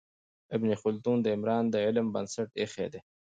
ابن خلدون د عمران د علم بنسټ ایښی دی.